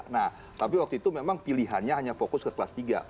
nah tapi waktu itu memang pilihannya hanya fokus ke kelas tiga